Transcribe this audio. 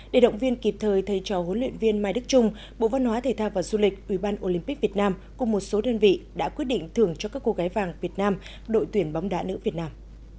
để động viên kịp thời thay cho huấn luyện viên mai đức trung bộ văn hóa thể thao và du lịch ủy ban olympic việt nam cùng một số đơn vị đã quyết định thưởng cho các cô gái vàng việt nam đội tuyển bóng đá nữ việt nam